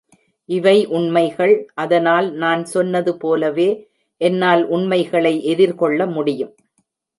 இவை உண்மைகள், அதனால் நான் சொன்னது போலவே, என்னால் உண்மைகளை எதிர்கொள்ள முடியும்.